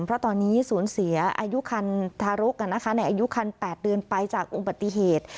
เพราะตอนนี้สูญเสียอายุคันทารกในอายุคัน๘เดือนไปจากอุบัติเหตุ